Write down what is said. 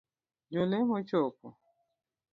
Jo lemo chopo